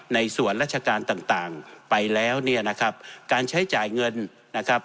ในส่วนราชการต่างต่างไปแล้วเนี่ยนะครับการใช้จ่ายเงินนะครับ